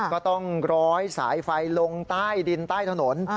ก็ต้องร้อยสายไฟลงใต้ดินใต้ถนน